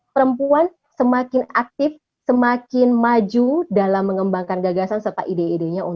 perempuan semakin aktif semakin maju dalam mengembangkan gagasan